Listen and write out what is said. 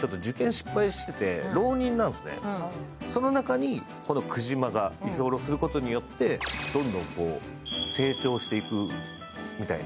その中に、このクジマが居候することによってどんどん成長していく、みたいな。